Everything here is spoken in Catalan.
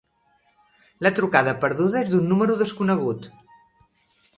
La trucada perduda és d'un número desconegut.